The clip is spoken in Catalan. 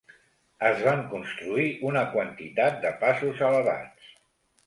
Es van construir una quantitat de passos elevats.